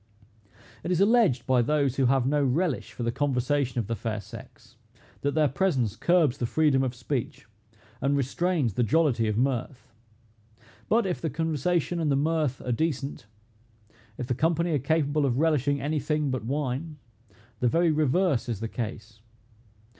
It is alleged by those who have no relish for the conversation of the fair sex, that their presence curbs the freedom of speech, and restrains the jollity of mirth. But, if the conversation and the mirth are decent, if the company are capable of relishing any thing but wine, the very reverse is the case.